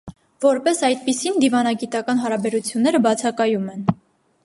Որպես այդպիսին, դիվանագիտական հարաբերությունները բացակայում են։